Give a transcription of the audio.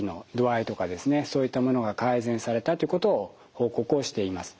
そういったものが改善されたということを報告をしています。